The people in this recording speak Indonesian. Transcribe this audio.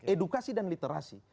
edukasi dan literasi